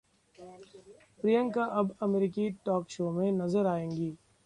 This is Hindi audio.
प्रियंका अब अमेरिकी टॉक शो में नजर आएंगी